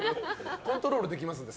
コントロールできますので。